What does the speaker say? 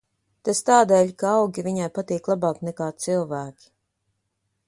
Tas tādēļ, ka augi viņai patīk labāk nekā cilvēki.